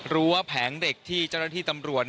ว่าแผงเด็กที่เจ้าหน้าที่ตำรวจ